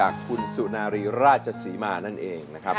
คุณสุนารีราชศรีมานั่นเองนะครับ